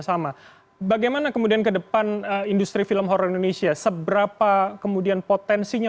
sama bagaimana kemudian ke depan industri film horror indonesia seberapa kemudian potensinya